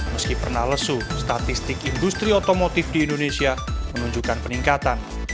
meski pernah lesu statistik industri otomotif di indonesia menunjukkan peningkatan